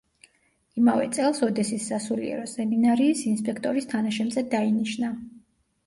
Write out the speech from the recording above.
იმავე წელს ოდესის სასულიერო სემინარიის ინსპექტორის თანაშემწედ დაინიშნა.